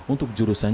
untuk jurusan jakarta